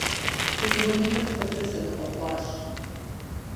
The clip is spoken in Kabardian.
Пелуанитӏыр куэдрэ зэныкъуэкъуащ.